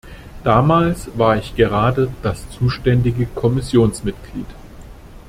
Damals war ich gerade das zuständige Kommissionsmitglied.